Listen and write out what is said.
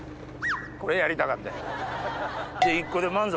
これやりたかったんや。